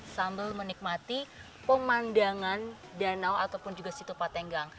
sambil menikmati pemandangan danau ataupun juga situpat tenggang